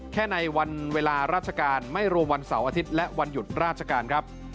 ในวันเวลาราชการไม่รวมวันเสาร์อาทิตย์และวันหยุดราชการครับ